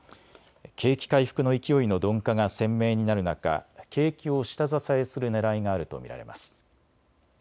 景気回復の勢いの鈍化が鮮明になる中、景気を下支えするねらいがあると見られます。